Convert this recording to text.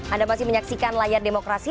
anda masih menyaksikan layar demokrasi